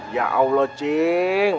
ya allah cing